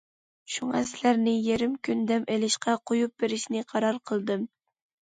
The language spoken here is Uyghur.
شۇڭا سىلەرنى يېرىم كۈن دەم ئېلىشقا قۇيۇپ بېرىشنى قارار قىلدىم.